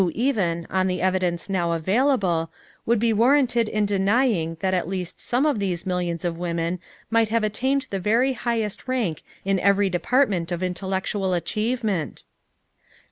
Who even, on the evidence now available, would be warranted in denying that at least some of these millions of women might have attained the very highest rank in every department of intellectual achievement?